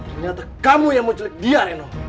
ternyata kamu yang menculik dia reno